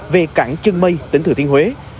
về cảng trân mây tỉnh thừa thiên huế